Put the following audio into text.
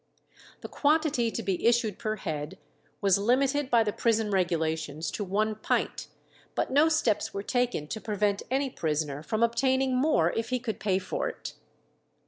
The quantity to be issued per head was limited by the prison regulations to one pint, but no steps were taken to prevent any prisoner from obtaining more if he could pay for it.